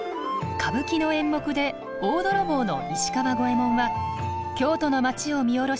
歌舞伎の演目で大泥棒の石川五右衛門は京都の街を見下ろし